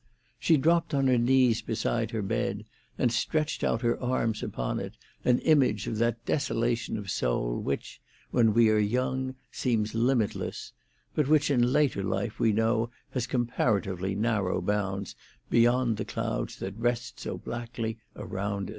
She dropped on her knees beside her bed, and stretched out her arms upon it, an image of that desolation of soul which, when we are young, seems limitless, but which in later life we know has comparatively narrow bounds beyond the clouds that rest so blackly around us.